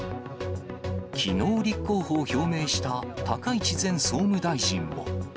きのう立候補を表明した高市前総務大臣も。